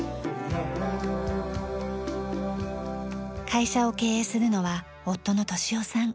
会社を経営するのは夫の敏夫さん。